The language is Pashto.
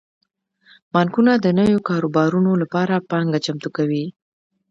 بانکونه د نویو کاروبارونو لپاره پانګه چمتو کوي.